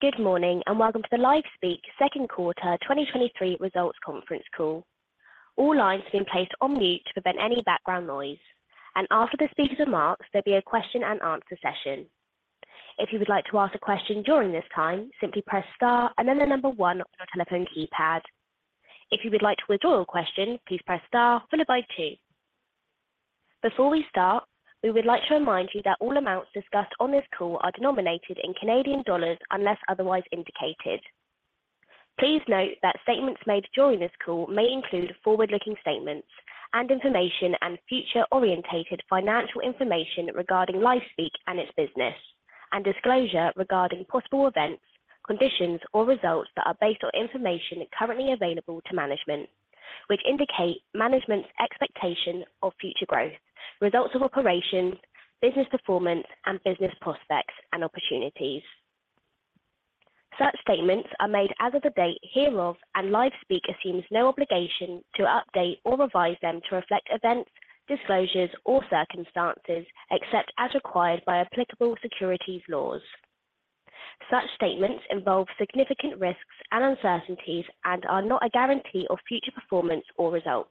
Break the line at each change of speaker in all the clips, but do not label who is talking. Good morning, welcome to the LifeSpeak second quarter 2023 results conference call. All lines have been placed on mute to prevent any background noise, after the speakers' remarks, there'll be a question and answer session. If you would like to ask a question during this time, simply press Star and then 1 on your telephone keypad. If you would like to withdraw your question, please press Star followed by 2. Before we start, we would like to remind you that all amounts discussed on this call are denominated in Canadian dollars, unless otherwise indicated. Please note that statements made during this call may include forward-looking statements and information and future-orientated financial information regarding LifeSpeak and its business, and disclosure regarding possible events, conditions, or results that are based on information currently available to management, which indicate management's expectation of future growth, results of operations, business performance, and business prospects and opportunities. Such statements are made as of the date hereof, and LifeSpeak assumes no obligation to update or revise them to reflect events, disclosures, or circumstances except as required by applicable securities laws. Such statements involve significant risks and uncertainties and are not a guarantee of future performance or results.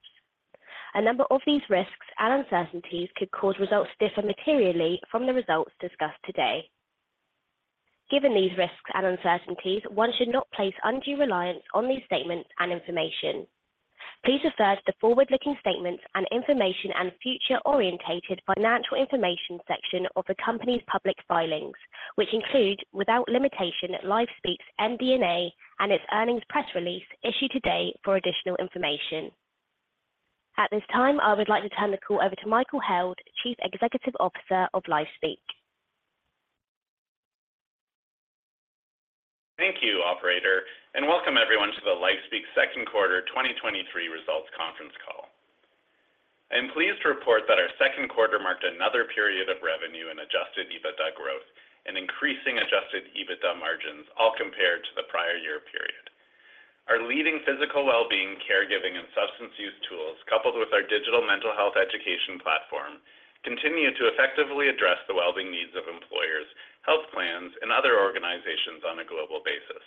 A number of these risks and uncertainties could cause results to differ materially from the results discussed today. Given these risks and uncertainties, one should not place undue reliance on these statements and information. Please refer to the forward-looking statements and information and future-orientated financial information section of the company's public filings, which include, without limitation, LifeSpeak's MD&A and its earnings press release issued today for additional information. At this time, I would like to turn the call over to Michael Held, Chief Executive Officer of LifeSpeak.
Thank you, operator, and welcome everyone to the LifeSpeak second quarter 2023 results conference call. I am pleased to report that our second quarter marked another period of revenue and Adjusted EBITDA growth and increasing Adjusted EBITDA margins, all compared to the prior year period. Our leading physical well-being, caregiving, and substance use tools, coupled with our digital mental health education platform, continue to effectively address the wellbeing needs of employers, health plans, and other organizations on a global basis.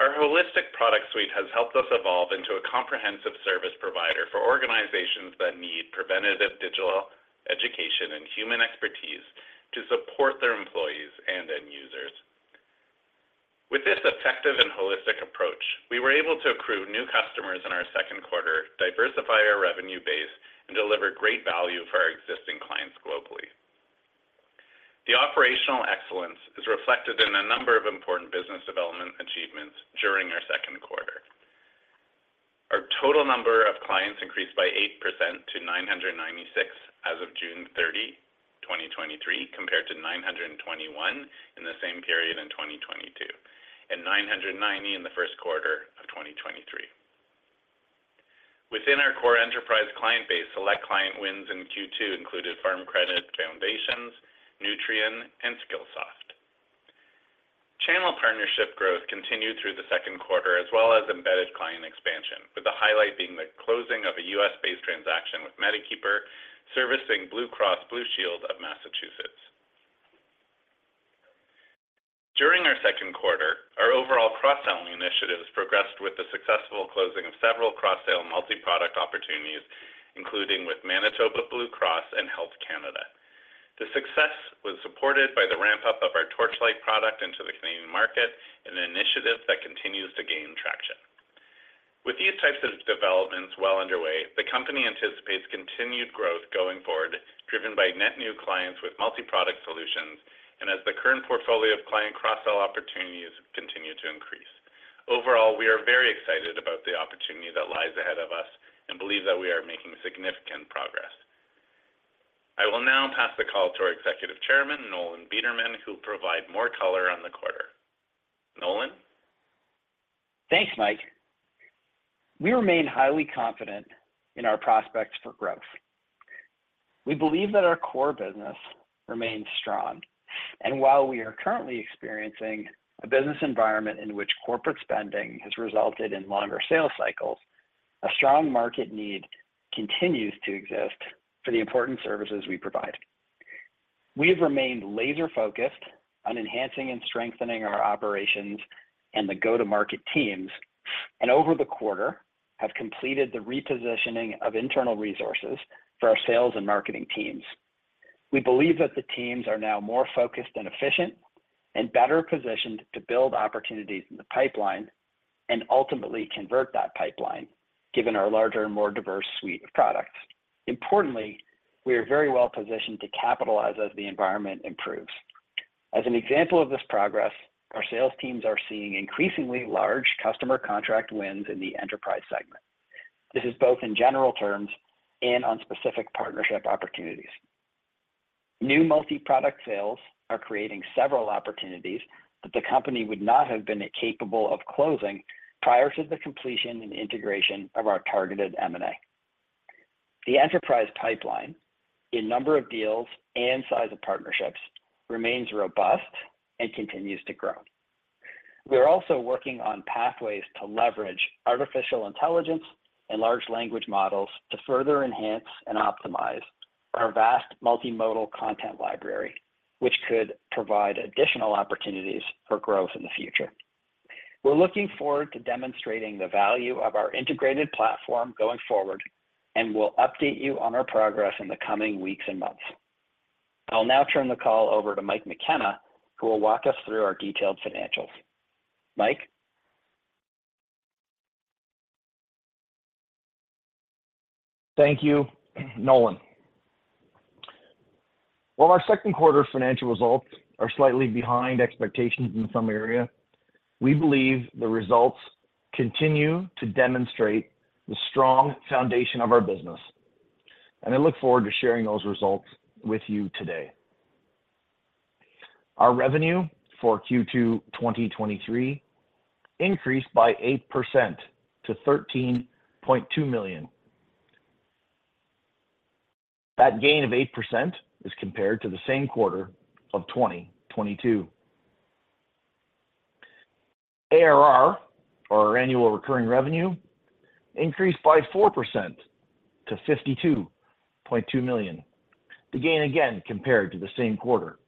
Our holistic product suite has helped us evolve into a comprehensive service provider for organizations that need preventative digital education and human expertise to support their employees and end users. With this effective and holistic approach, we were able to accrue new customers in our second quarter, diversify our revenue base, and deliver great value for our existing clients globally. The operational excellence is reflected in a number of important business development achievements during our second quarter. Our total number of clients increased by 8% to 996 as of June 30, 2023, compared to 921 in the same period in 2022, and 990 in the first quarter of 2023. Within our core enterprise client base, select client wins in Q2 included Farm Credit Foundations, Nutrien, and Skillsoft. Channel partnership growth continued through the second quarter, as well as embedded client expansion, with the highlight being the closing of a U.S-based transaction with MediKeeper, servicing Blue Cross Blue Shield of Massachusetts. During our second quarter, our overall cross-selling initiatives progressed with the successful closing of several cross-sale multi-product opportunities, including with Manitoba Blue Cross and Health Canada. The success was supported by the ramp-up of our Torchlight product into the Canadian market and an initiative that continues to gain traction. With these types of developments well underway, the company anticipates continued growth going forward, driven by net new clients with multi-product solutions and as the current portfolio of client cross-sell opportunities continue to increase. Overall, we are very excited about the opportunity that lies ahead of us and believe that we are making significant progress. I will now pass the call to our Executive Chairman, Nolan Bederman, who will provide more color on the quarter. Nolan?
Thanks, Mike. We remain highly confident in our prospects for growth. We believe that our core business remains strong, and while we are currently experiencing a business environment in which corporate spending has resulted in longer sales cycles, a strong market need continues to exist for the important services we provide. We have remained laser-focused on enhancing and strengthening our operations and the go-to-market teams, and over the quarter, have completed the repositioning of internal resources for our sales and marketing teams. We believe that the teams are now more focused and efficient and better positioned to build opportunities in the pipeline and ultimately convert that pipeline, given our larger and more diverse suite of products. Importantly, we are very well positioned to capitalize as the environment improves. As an example of this progress, our sales teams are seeing increasingly large customer contract wins in the enterprise segment. This is both in general terms and on specific partnership opportunities. New multi-product sales are creating several opportunities that the company would not have been capable of closing prior to the completion and integration of our targeted M&A. The enterprise pipeline in number of deals and size of partnerships remains robust and continues to grow. We are also working on pathways to leverage artificial intelligence and large language models to further enhance and optimize our vast multimodal content library, which could provide additional opportunities for growth in the future. We're looking forward to demonstrating the value of our integrated platform going forward, and we'll update you on our progress in the coming weeks and months. I'll now turn the call over to Mike McKenna, who will walk us through our detailed financials. Mike?
Thank you, Nolan. While our second quarter financial results are slightly behind expectations in some area, we believe the results continue to demonstrate the strong foundation of our business, I look forward to sharing those results with you today. Our revenue for Q2 2023 increased by 8% to 13.2 million. That gain of 8% is compared to the same quarter of 2022. ARR, or our Annual Recurring Revenue, increased by 4% to 52.2 million. The gain, again, compared to the same quarter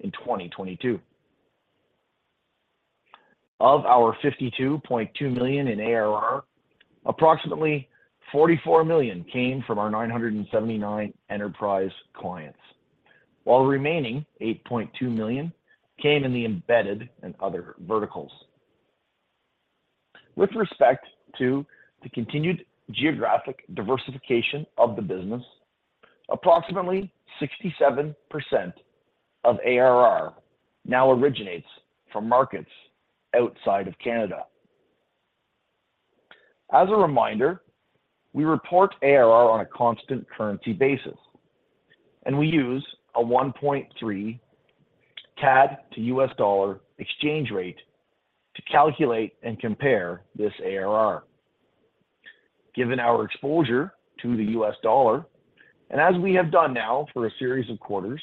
in 2022. Of our 52.2 million in ARR, approximately 44 million came from our 979 enterprise clients, while the remaining 8.2 million came in the embedded and other verticals. With respect to the continued geographic diversification of the business, approximately 67% of ARR now originates from markets outside of Canada. As a reminder, we report ARR on a constant currency basis, and we use a 1.3 CAD to U.S. dollar exchange rate to calculate and compare this ARR. Given our exposure to the U.S. dollar, and as we have done now for a series of quarters,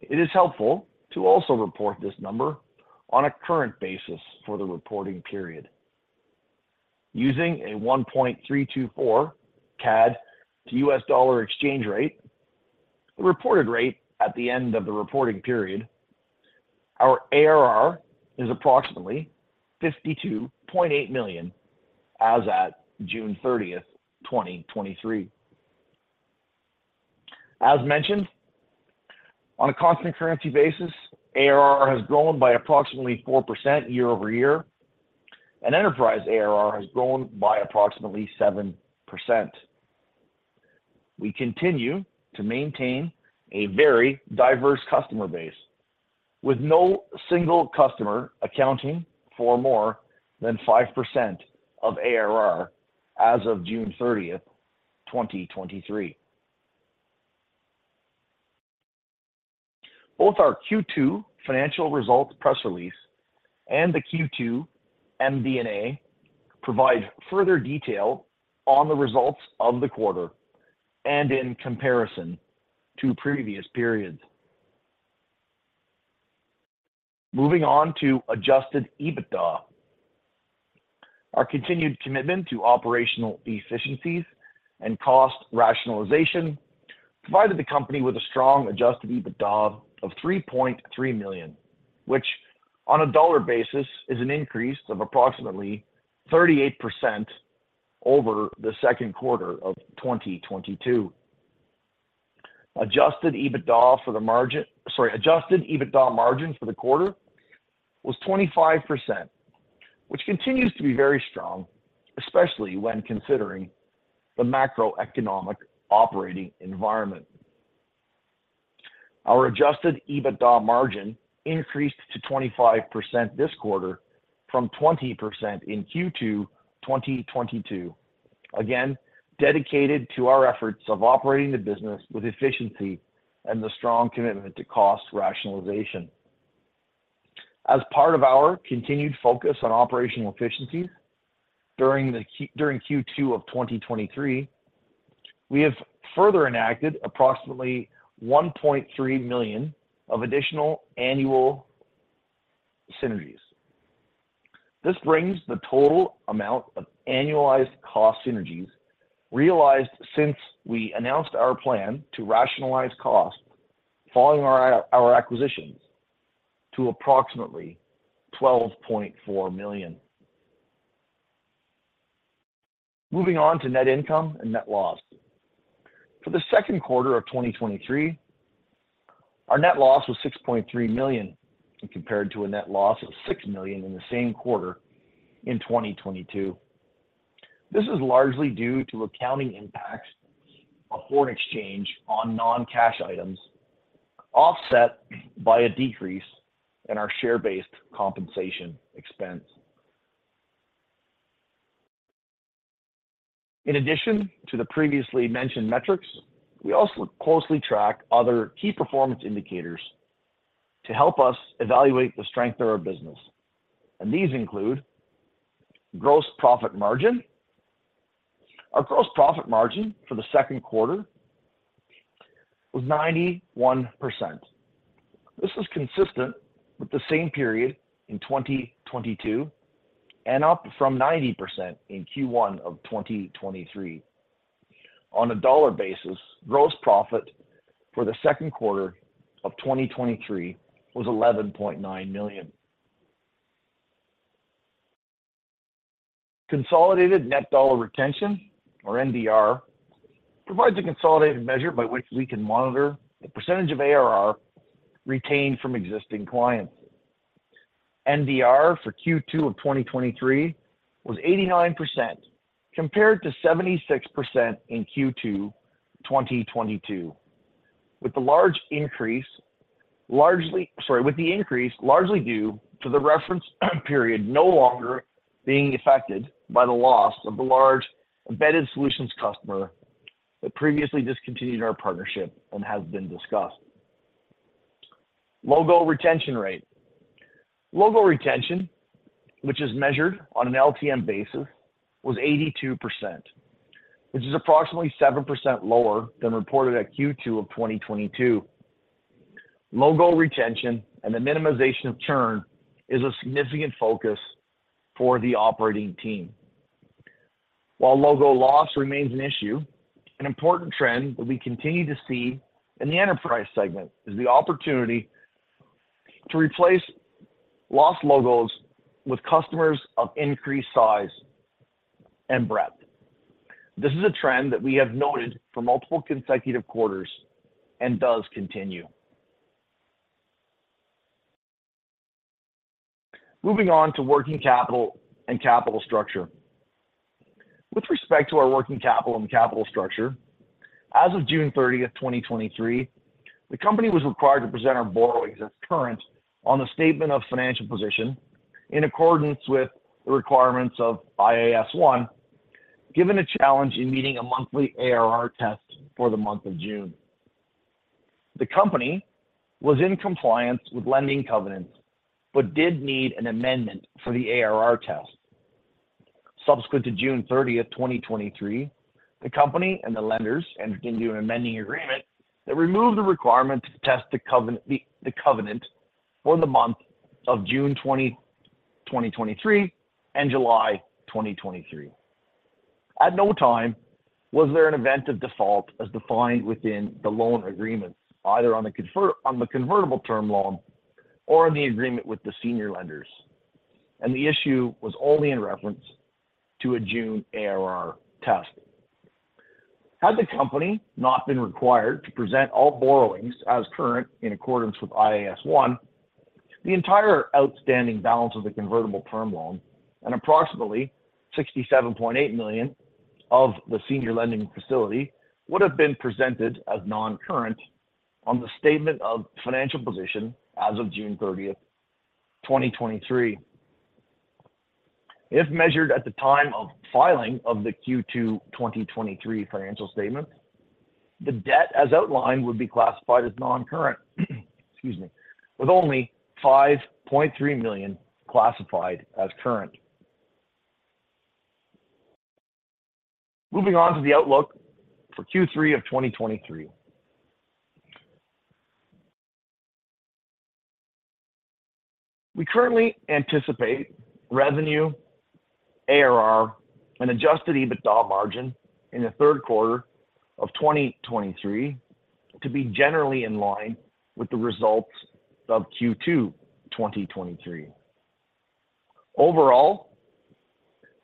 it is helpful to also report this number on a current basis for the reporting period. Using a 1.324 CAD to U.S. dollar exchange rate, the reported rate at the end of the reporting period, our ARR is approximately $52.8 million as at June 30, 2023. As mentioned, on a constant currency basis, ARR has grown by approximately 4% year-over-year, and enterprise ARR has grown by approximately 7%. We continue to maintain a very diverse customer base, with no single customer accounting for more than 5% of ARR as of June 30, 2023. Both our Q2 financial results press release and the Q2 MD&A provide further detail on the results of the quarter and in comparison to previous periods. Moving on to Adjusted EBITDA. Our continued commitment to operational efficiencies and cost rationalization provided the company with a strong Adjusted EBITDA of $3.3 million, which on a dollar basis, is an increase of approximately 38% over the second quarter of 2022. Adjusted EBITDA for the margin-- Sorry, Adjusted EBITDA margin for the quarter was 25%, which continues to be very strong, especially when considering the macroeconomic operating environment. Our Adjusted EBITDA margin increased to 25% this quarter from 20% in Q2 2022, again, dedicated to our efforts of operating the business with efficiency and the strong commitment to cost rationalization. As part of our continued focus on operational efficiencies, during Q2 of 2023, we have further enacted approximately 1.3 million of additional annual synergies. This brings the total amount of annualized cost synergies realized since we announced our plan to rationalize costs following our acquisitions to approximately CAD 12.4 million. Moving on to net income and net loss. For the second quarter of 2023, our net loss was 6.3 million, compared to a net loss of 6 million in the same quarter in 2022. This is largely due to accounting impacts of foreign exchange on non-cash items, offset by a decrease in our share-based compensation expense. In addition to the previously mentioned metrics, we also closely track other key performance indicators to help us evaluate the strength of our business, and these include gross profit margin. Our gross profit margin for the second quarter was 91%. This is consistent with the same period in 2022 and up from 90% in Q1 of 2023. On a dollar basis, gross profit for the second quarter of 2023 was CAD 11.9 million. Consolidated net dollar retention, or NDR, provides a consolidated measure by which we can monitor the percentage of ARR retained from existing clients. NDR for Q2 of 2023 was 89%, compared to 76% in Q2, 2022. With the large increase, largely. Sorry, with the increase largely due to the reference period, no longer being affected by the loss of the large embedded solutions customer that previously discontinued our partnership and has been discussed. Logo Retention Rate. Logo Retention, which is measured on an LTM basis, was 82%, which is approximately 7% lower than reported at Q2 of 2022. Logo Retention and the minimization of churn is a significant focus for the operating team. While logo loss remains an issue, an important trend that we continue to see in the enterprise segment is the opportunity to replace lost Logos with customers of increased size and breadth. This is a trend that we have noted for multiple consecutive quarters and does continue. Moving on to working capital and capital structure. With respect to our working capital and capital structure, as of June 30, 2023, the company was required to present our borrowings as current on the statement of financial position, in accordance with the requirements of IAS 1, given a challenge in meeting a monthly ARR test for the month of June. The company was in compliance with lending covenants, but did need an amendment for the ARR test. Subsequent to June 30, 2023, the company and the lenders entered into an amending agreement that removed the requirement to test the covenant, the covenant for the month of June 2023 and July 2023. At no time was there an event of default as defined within the loan agreements, either on the convertible term loan or in the agreement with the senior lenders, and the issue was only in reference to a June ARR test. Had the company not been required to present all borrowings as current in accordance with IAS 1, the entire outstanding balance of the convertible term loan and approximately 67.8 million of the senior lending facility would have been presented as non-current on the statement of financial position as of June 30th, 2023. If measured at the time of filing of the Q2 2023 financial statement, the debt as outlined would be classified as non-current, excuse me, with only 5.3 million classified as current. Moving on to the outlook for Q3 of 2023. We currently anticipate revenue, ARR, and Adjusted EBITDA margin in the third quarter of 2023 to be generally in line with the results of Q2 2023. Overall,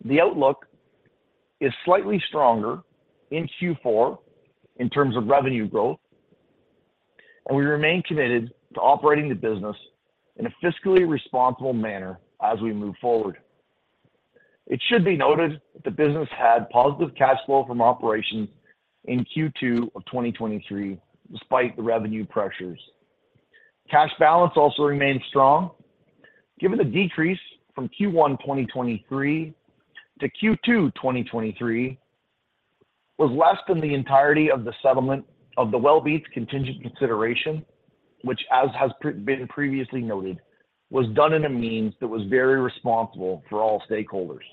the outlook is slightly stronger in Q4 in terms of revenue growth, we remain committed to operating the business in a fiscally responsible manner as we move forward. It should be noted that the business had positive cash flow from operations in Q2 of 2023, despite the revenue pressures. Cash balance also remained strong, given the decrease from Q1 2023 to Q2 2023 was less than the entirety of the settlement of the Wellbeats contingent consideration, which, as has been previously noted, was done in a means that was very responsible for all stakeholders.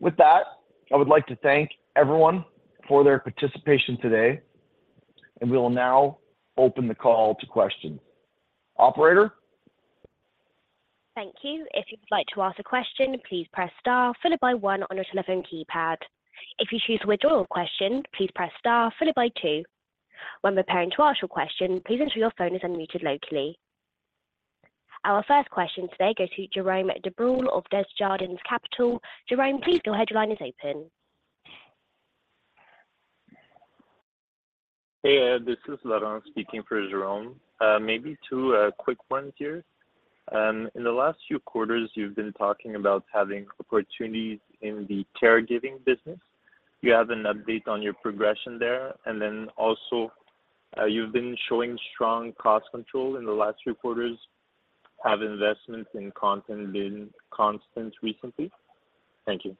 With that, I would like to thank everyone for their participation today, and we will now open the call to questions. Operator?
Thank you. If you would like to ask a question, please press star followed by 1 on your telephone keypad. If you choose to withdraw a question, please press star followed by 2. When preparing to ask your question, please ensure your phone is unmuted locally. Our first question today goes to Jerome Dubreuil of Desjardins Capital. Jerome, please, your headline is open.
Hey, this is Laurent speaking for Jerome. Maybe two quick ones here. In the last few quarters, you've been talking about having opportunities in the caregiving business. Do you have an update on your progression there? Then also, you've been showing strong cost control in the last few quarters. Have investments in content been constant recently? Thank you.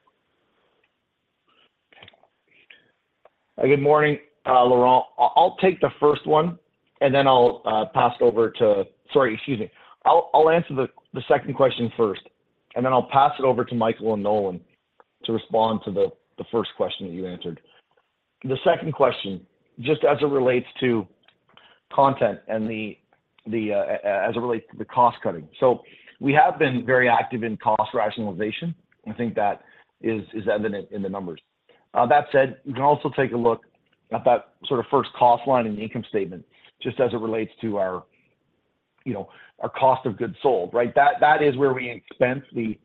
Good morning, Laurent. I'll, I'll take the first one, and then I'll pass it over to... Sorry, excuse me. I'll, I'll answer the second question first, and then I'll pass it over to Michael and Nolan to respond to the first question that you answered. The second question, just as it relates to content and the as it relates to the cost cutting. We have been very active in cost rationalization. I think that is evident in the numbers. That said, you can also take a look at that sort of first cost line in the income statement, just as it relates to our, you know, our cost of goods sold, right? That is where we expense the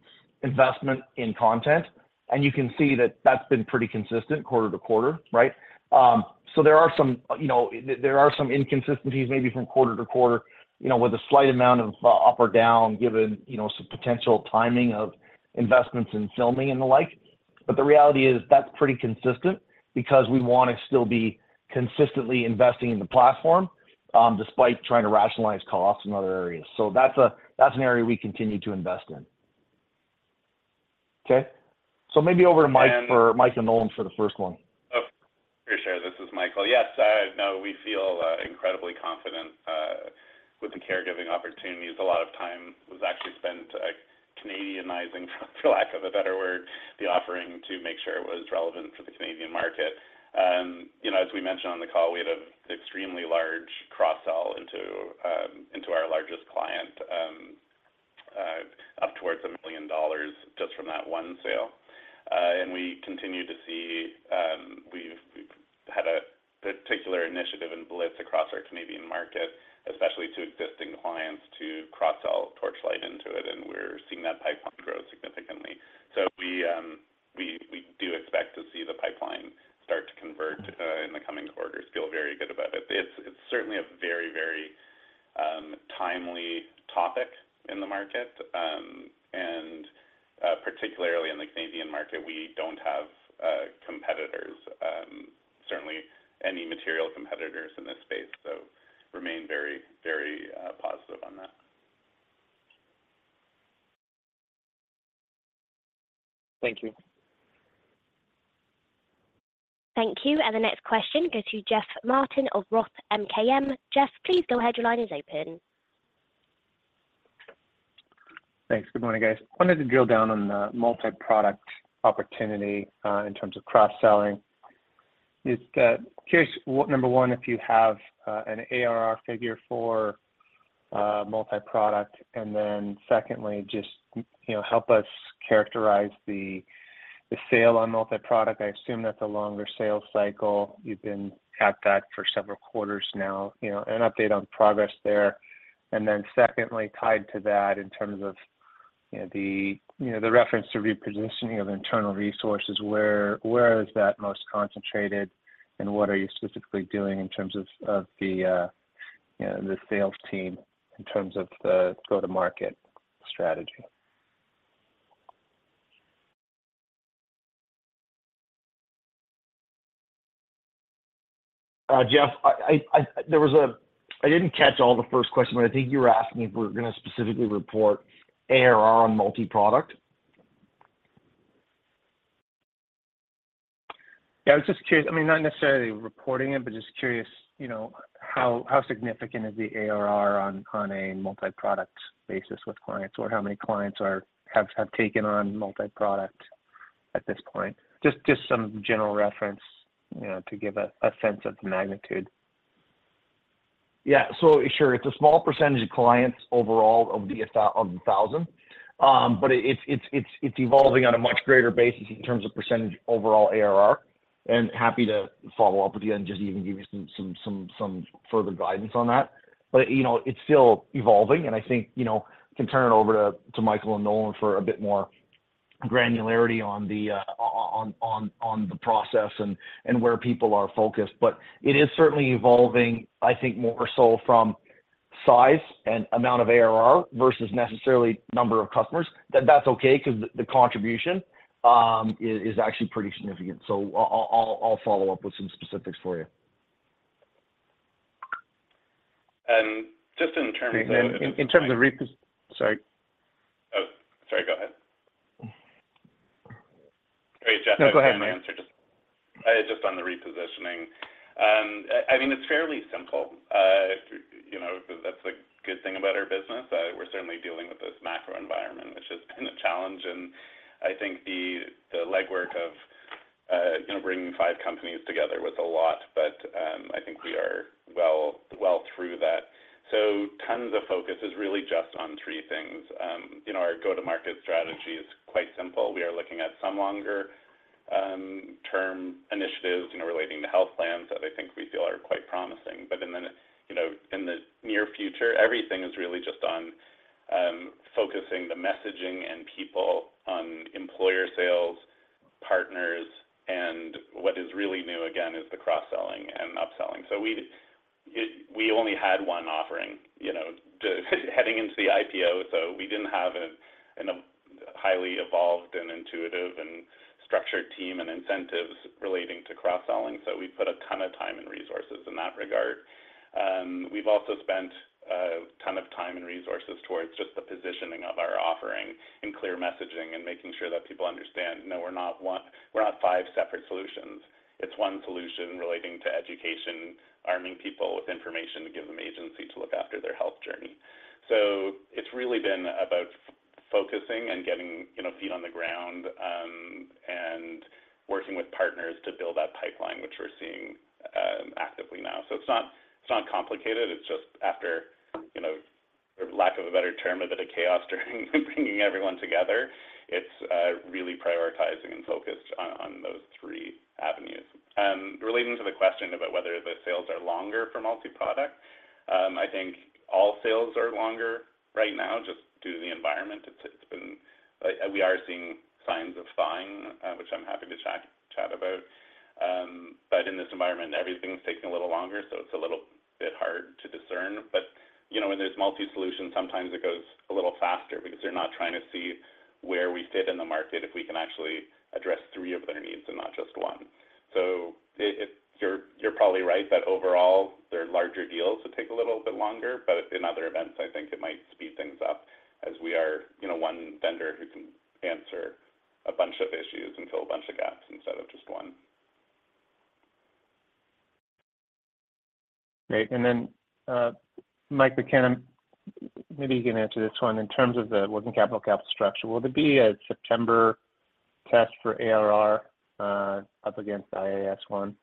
investment in content, and you can see that that's been pretty consistent quarter to quarter, right? There are some, you know, there, there are some inconsistencies maybe from quarter to quarter, you know, with a slight amount of up or down, given, you know, some potential timing of investments in filming and the like. The reality is that's pretty consistent because we wanna still be consistently investing in the platform, despite trying to rationalize costs in other areas. That's a, that's an area we continue to invest in. Okay, maybe over to Mike- for Mike and Nolan for the first one.
Oh, sure, sure. This is Michael. Yes, no, we feel incredibly confident with the caregiving opportunities. A lot of time was actually spent, like, Canadianizing, for lack of a better word, the offering to make sure it was relevant for the Canadian market. You know, as we mentioned on the call, we had a extremely large cross-sell into into our largest client up towards $1 million just from that 1 sale. We continue to see, we've, we've had a particular initiative and blitz across our Canadian market, especially to existing clients, to cross-sell Torchlight into it, and we're seeing that pipeline grow significantly. We, we, we do expect to see the pipeline start to convert in the coming quarters. Feel very good about it. It's, it's certainly a very, very timely topic in the market. Particularly in the Canadian market, we don't have competitors, certainly any material competitors in this space, so remain very, very positive on that.
Thank you.
Thank you. The next question goes to Jeff Martin of Roth MKM. Jeff, please go ahead. Your line is open.
Thanks. Good morning, guys. Wanted to drill down on the multiproduct opportunity, in terms of cross-selling. Curious, number one, if you have an ARR figure for multiproduct, and then secondly, just, you know, help us characterize the sale on multiproduct. I assume that's a longer sales cycle. You've been at that for several quarters now. You know, an update on progress there. Secondly, tied to that, in terms of, you know, the, you know, the reference to repositioning of internal resources, where, where is that most concentrated, and what are you specifically doing in terms of, of the, you know, the sales team, in terms of the go-to-market strategy?
Jeff, I didn't catch all the first question, but I think you were asking if we're gonna specifically report ARR on multiproduct?
Yeah, I was just curious. I mean, not necessarily reporting it, but just curious, you know, how, how significant is the ARR on, on a multiproduct basis with clients, or how many clients have taken on multiproduct at this point? Just some general reference, you know, to give a sense of the magnitude.
Yeah. Sure, it's a small % of clients overall of the 1,000. It, it's, it's, it's, it's evolving on a much greater basis in terms of % overall ARR, and happy to follow up with you and just even give you some, some, some, some further guidance on that. You know, it's still evolving, and I think, you know, can turn it over to, to Michael and Nolan for a bit more granularity on the, on, on, on the process and, and where people are focused. It is certainly evolving, I think more so from size and amount of ARR versus necessarily number of customers. That that's okay because the, the contribution, is, is actually pretty significant. I'll, I'll, I'll follow up with some specifics for you.
And just in terms of-
In terms of... Sorry.
Oh, sorry, go ahead.
No, go ahead, Mike.
Great, Jeff. I can answer just, just on the repositioning. I mean, it's fairly simple. You know, that's the good thing about our business. We're certainly dealing with this macro environment, which has been a challenge, and I think the, the legwork of, you know, bringing five companies together was a lot, but I think we are well, well through that. Tons of focus is really just on three things. You know, our go-to-market strategy is quite simple. We are looking at some longer, term initiatives, you know, relating to health plans that I think we feel are quite promising. Then, then, you know, in the near future, everything is really just on, focusing the messaging and people on employer sales, partners, and what is really new, again, is the cross-selling and upselling. We only had one offering, you know, heading into the IPO, so we didn't have a highly evolved and intuitive and structured team and incentives relating to cross-selling, so we put a ton of time and resources in that regard. We've also spent a ton of time and resources towards just the positioning of our offering and clear messaging and making sure that people understand, no, we're not five separate solutions. It's one solution relating to education, arming people with information to give them agency to look after their health. It's really been about focusing and getting, you know, feet on the ground, and working with partners to build that pipeline, which we're seeing actively now. It's not, it's not complicated, it's just after, you know, for lack of a better term, a bit of chaos during bringing everyone together. It's really prioritizing and focused on, on those three avenues. Relating to the question about whether the sales are longer for multi-product, I think all sales are longer right now, just due to the environment. We are seeing signs of thawing, which I'm happy to chat, chat about. But in this environment, everything's taking a little longer, so it's a little bit hard to discern. You know, when there's multi solution, sometimes it goes a little faster because they're not trying to see where we fit in the market, if we can actually address three of their needs and not just one. It, you're probably right that overall, they're larger deals, so take a little bit longer, but in other events, I think it might speed things up as we are, you know, one vendor who can answer a bunch of issues and fill a bunch of gaps instead of just one.
Great. Then, Mike McKenna, maybe you can answer this one. In terms of the working capital capital structure, will there be a September test for ARR, up against IAS 1?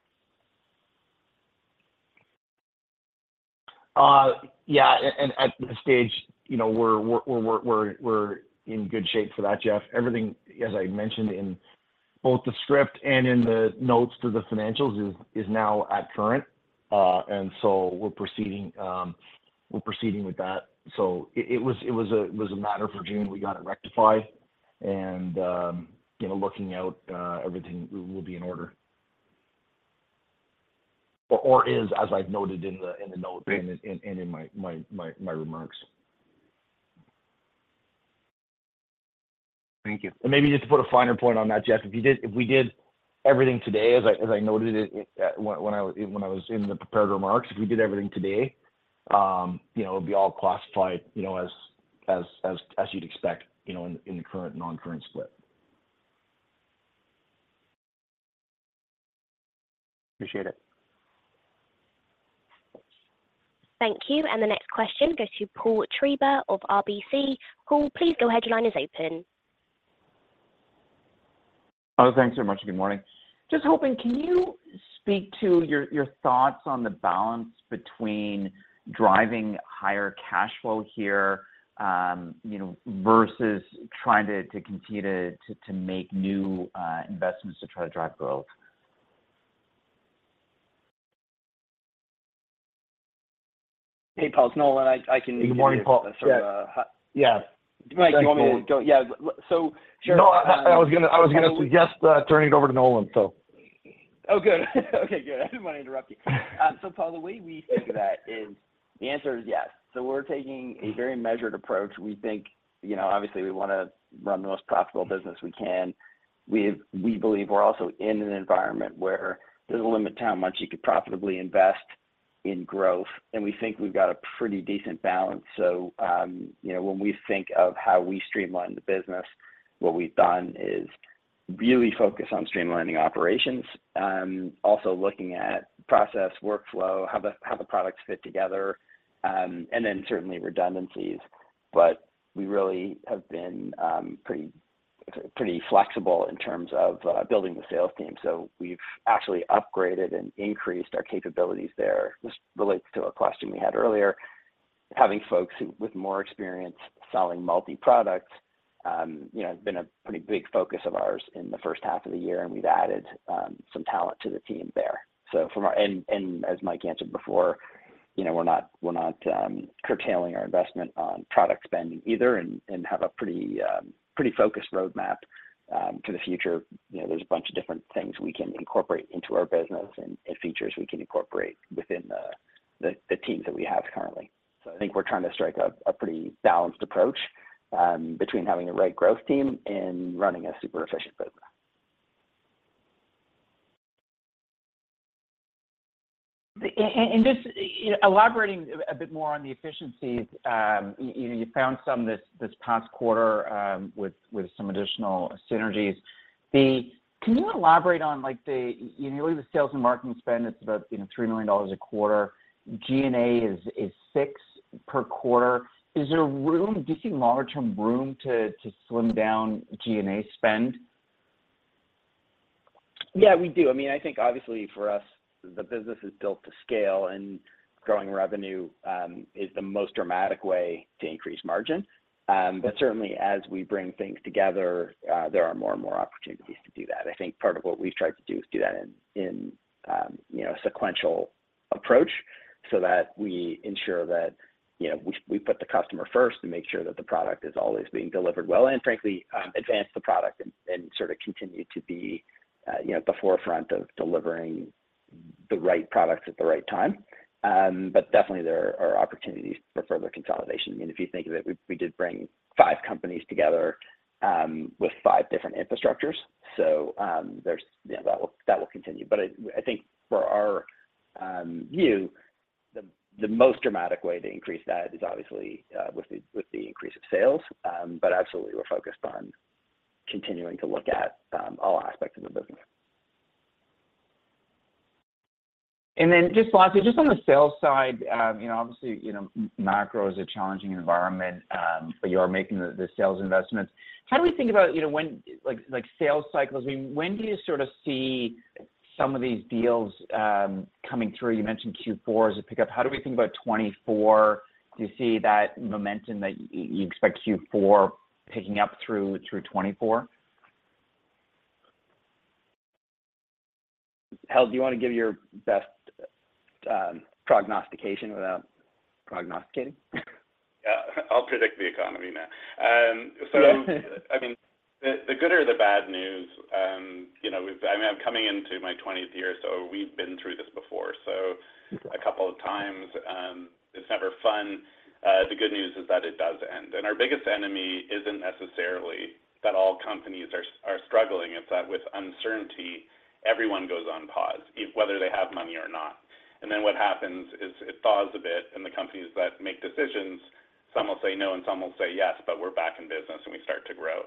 Yeah, and at this stage, you know, we're in good shape for that, Jeff. Everything, as I mentioned in both the script and in the notes to the financials is, is now at current. So we're proceeding, we're proceeding with that. It was a matter of June, we got it rectified, and, you know, looking out, everything will be in order. Is, as I've noted in the, in the notes and, and in my remarks.
Thank you.
Maybe just to put a finer point on that, Jeff, if we did everything today, as I, as I noted it, it, when, when I, when I was in the prepared remarks, if we did everything today, you know, it would be all classified, you know, as, as, as, as you'd expect, you know, in, in the current, non-current split.
Appreciate it.
Thank you. The next question goes to Paul Treiber of RBC. Paul, please go ahead, your line is open.
Oh, thanks so much. Good morning. Just hoping, can you speak to your, your thoughts on the balance between driving higher cash flow here, you know, versus trying to continue to make new investments to try to drive growth?
Hey, Paul, it's Nolan. I, I can-
Good morning, Paul. Yeah.
Yeah. Mike, you want me to go? Yeah.
No, I, I was gonna, I was gonna suggest, turning it over to Nolan, so...
Oh, good. Okay, good. I didn't want to interrupt you. Paul, the way we think of that is the answer is yes. We're taking a very measured approach. We think, you know, obviously, we wanna run the most profitable business we can. We, we believe we're also in an environment where there's a limit to how much you could profitably invest in growth, and we think we've got a pretty decent balance. You know, when we think of how we streamline the business, what we've done is really focus on streamlining operations, also looking at process, workflow, how the, how the products fit together, and then certainly redundancies. We really have been, pretty, pretty flexible in terms of building the sales team. We've actually upgraded and increased our capabilities there. This relates to a question we had earlier, having folks who, with more experience selling multi-product, you know, has been a pretty big focus of ours in the first half of the year. We've added some talent to the team there. From our-- as Mike answered before, you know, we're not, we're not curtailing our investment on product spending either, and have a pretty focused roadmap to the future. You know, there's a bunch of different things we can incorporate into our business and features we can incorporate within the teams that we have currently. I think we're trying to strike a pretty balanced approach between having the right growth team and running a super efficient business.
Just elaborating a bit more on the efficiencies, you found some this past quarter, with some additional synergies. Can you elaborate on the sales and marketing spend, it's about $3 million a quarter. G&A is $6 million per quarter. Do you see long-term room to slim down G&A spend?
Yeah, we do. I mean, I think obviously for us, the business is built to scale, growing revenue is the most dramatic way to increase margin. Certainly as we bring things together, there are more and more opportunities to do that. I think part of what we've tried to do is do that in, in, you know, a sequential approach, so that we ensure that, you know, we, we put the customer first to make sure that the product is always being delivered well, frankly, advance the product and, and sort of continue to be, you know, at the forefront of delivering the right products at the right time. Definitely there are opportunities for further consolidation. I mean, if you think of it, we, we did bring 5 companies together, with 5 different infrastructures. There's, you know, that will, that will continue. I, I think for our view, the, the most dramatic way to increase that is obviously with the, with the increase of sales. Then just lastly, just on the sales side, you know, obviously, you know, Macro is a challenging environment, but you are making the, the sales investments. How do we think about, you know, when, like, like, sales cycles? I mean, when do you sort of see some of these deals coming through? You mentioned Q4 as a pickup. How do we think about 2024? Do you see that momentum that y- you expect Q4 picking up through, through 2024? Hal, do you wanna give your best prognostication without prognosticating?
Yeah, I'll predict the economy now. I mean, the, the good or the bad news, you know, I mean, I'm coming into my 20th year, so we've been through this before.
Mm-hmm...
a couple of times. It's never fun. The good news is that it does end. Our biggest enemy isn't necessarily that all companies are struggling. It's that with uncertainty, everyone goes on pause, if whether they have money or not. What happens is, it thaws a bit, and the companies that make decisions, some will say no, and some will say yes, but we're back in business, and we start to grow.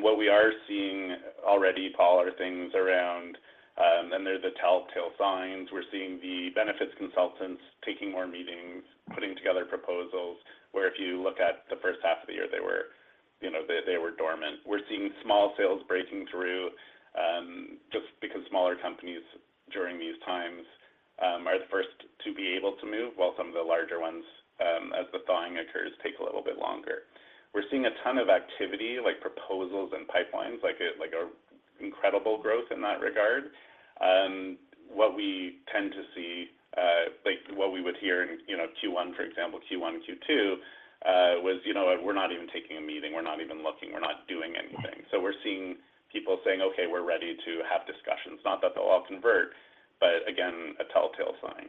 What we are seeing already, Paul, are things around, and they're the telltale signs. We're seeing the benefits consultants taking more meetings, putting together proposals, where if you look at the first half of the year, they were, you know, they, they were dormant. We're seeing small sales breaking through, just because smaller companies, during these times, are the first to be able to move, while some of the larger ones, as the thawing occurs, take a little bit longer. We're seeing a ton of activity, like proposals and pipelines, like a, like an incredible growth in that regard. What we tend to see, like what we would hear in, you know, Q1, for example, Q1 and Q2, was, "You know what? We're not even taking a meeting. We're not even looking. We're not doing anything.
Mm-hmm.
We're seeing people saying, "Okay, we're ready to have discussions." Not that they'll all convert, but again, a telltale sign.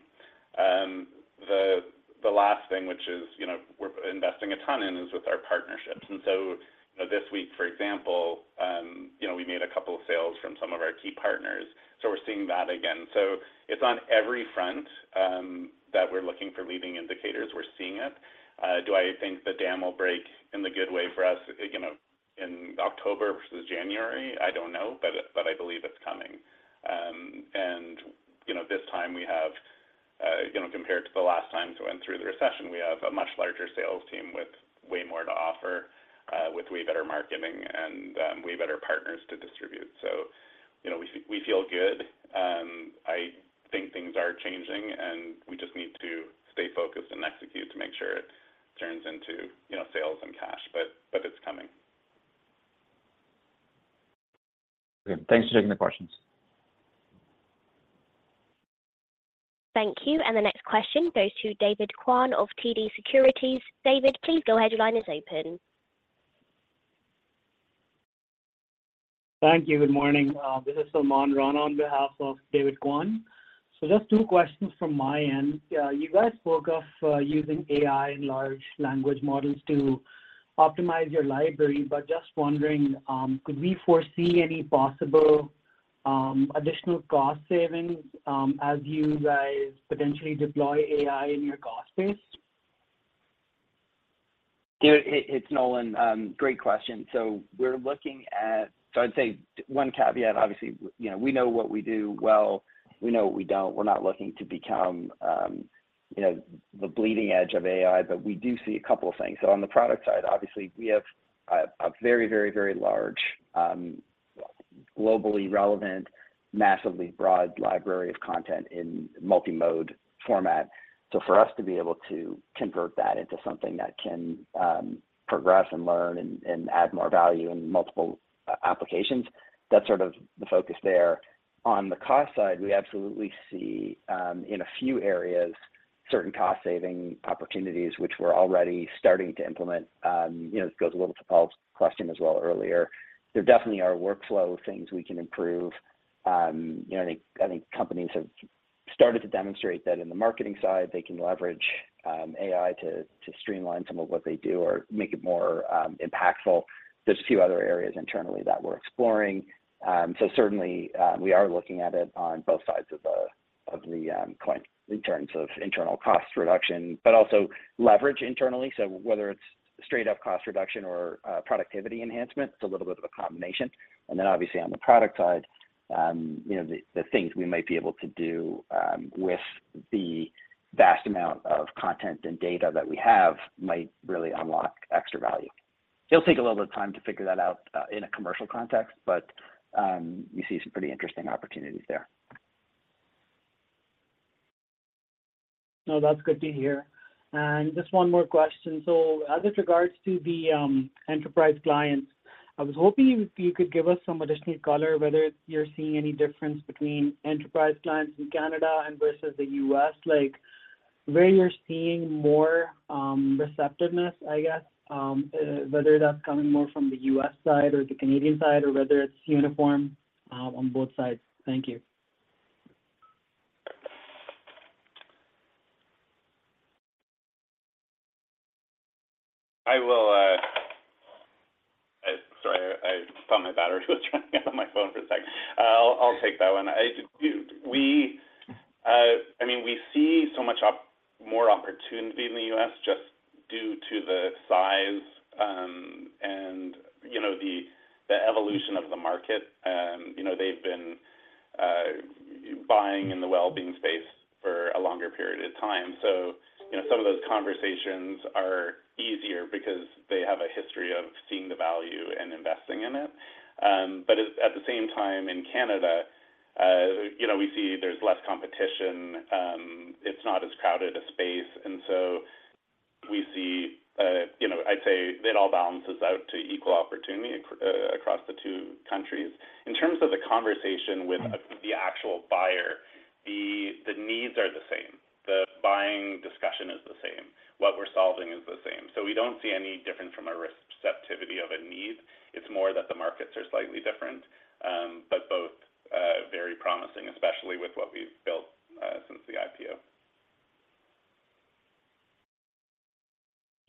The, the last thing, which is, you know, we're investing a ton in, is with our partnerships. You know, this week, for example, you know, we made 2 sales from some of our key partners, so we're seeing that again. It's on every front, that we're looking for leading indicators, we're seeing it. Do I think the dam will break in the good way for us, you know, in October versus January? I don't know, but I believe it's coming. And, you know, this time, we have, you know, compared to the last time, so went through the recession, we have a much larger sales team with way more to offer, with way better marketing and, way better partners to distribute. You know, we feel good. I think things are changing, and we just need to stay focused and execute to make sure it turns into, you know, sales and cash. But it's coming.
Good. Thanks for taking the questions.
Thank you. The next question goes to David Kwan of TD Securities. David, please your headline is open.
Thank you. Good morning. This is Salman Khan on behalf of David Kwan. Just two questions from my end. You guys spoke of using AI and large language models to optimize your library, but just wondering, could we foresee any possible additional cost savings as you guys potentially deploy AI in your cost base?
Yeah, it, it's Nolan. Great question. We're looking at... I'd say one caveat, obviously, you know, we know what we do well. We know what we don't. We're not looking to become, you know, the bleeding edge of AI, but we do see a couple of things. On the product side, obviously, we have a, a very, very, very large, globally relevant, massively broad library of content in multi-mode format. For us to be able to convert that into something that can, progress, and learn, and, and add more value in multiple applications, that's sort of the focus there. On the cost side, we absolutely see, in a few areas, certain cost-saving opportunities, which we're already starting to implement. You know, this goes a little to Paul's question as well earlier. There definitely are workflow things we can improve. You know, I think, I think companies have started to demonstrate that in the marketing side, they can leverage AI to, to streamline some of what they do or make it more impactful. There's a few other areas internally that we're exploring. Certainly, we are looking at it on both sides of the, of the coin in terms of internal cost reduction, but also leverage internally. Whether it's straight up cost reduction or productivity enhancement, it's a little bit of a combination. Obviously, on the product side, you know, the, the things we might be able to do with the vast amount of content and data that we have might really unlock extra value. It'll take a little bit of time to figure that out, in a commercial context, but, you see some pretty interesting opportunities there.
No, that's good to hear. Just one more question: As it regards to the, enterprise clients, I was hoping if you could give us some additional color, whether you're seeing any difference between enterprise clients in Canada and versus the U.S, like, where you're seeing more, receptiveness, I guess, whether that's coming more from the U.S. side or the Canadian side, or whether it's uniform, on both sides? Thank you.
I will, sorry, I saw my battery was running out on my phone for a second. I'll take that one. I, you-- We, I mean, we see so much more opportunity in the US just due to the size, and, you know, the, the evolution of the market. You know, they've been buying in the well-being space for a longer period of time. You know, some of those conversations are easier because they have a history of seeing the value and investing in it. At the same time, in Canada, you know, we see there's less competition. It's not as crowded a space. We see, you know, I'd say it all balances out to equal opportunity across the two countries. In terms of the conversation with the actual buyer, the, the needs are the same, the buying discussion is the same, what we're solving is the same. We don't see any different from a receptivity of a need. It's more that the markets are slightly different, but both very promising, especially with what we've built since the IPO.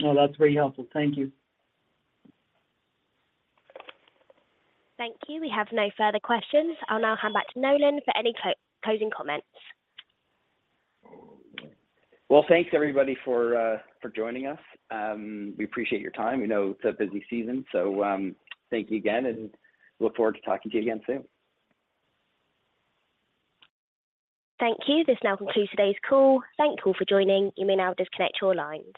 Well, that's very helpful. Thank you.
Thank you. We have no further questions. I'll now hand back to Nolan for any closing comments.
Well, thanks, everybody, for for joining us. We appreciate your time. We know it's a busy season, so thank you again, and look forward to talking to you again soon.
Thank you. This now concludes today's call. Thank you all for joining. You may now disconnect your lines.